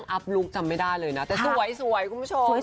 อัพลุคจำไม่ได้เลยนะแต่สวยคุณผู้ชม